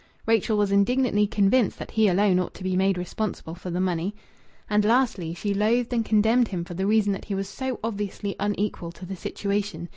Rachel was indignantly convinced that he alone ought to be made responsible for the money. And lastly, she loathed and condemned him for the reason that he was so obviously unequal to the situation.